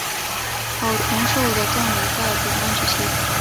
郝崇寿的葬礼在淮安举行。